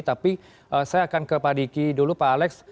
tapi saya akan ke pak diki dulu pak alex